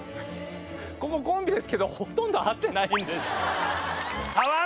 ここコンビですけどほとんど会ってないんで。